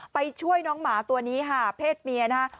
ไปช่วยน้องหมาตัวนี้ค่ะเพศเมียนะฮะ